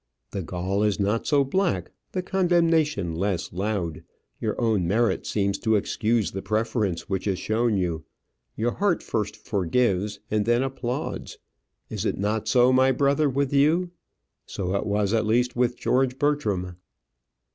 The gall is not so black, the condemnation less loud; your own merit seems to excuse the preference which is shown you; your heart first forgives and then applauds. Is it not so, my brother, with you? So it was, at least, with George Bertram.